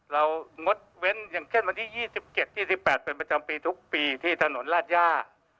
งดเว้นอย่างเช่นวันที่๒๗๒๘เป็นประจำปีทุกปีที่ถนนราชย่า